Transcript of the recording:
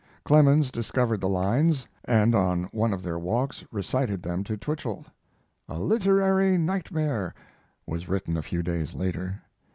Clemens discovered the lines, and on one of their walks recited them to Twichell. "A Literary Nightmare" was written a few days later.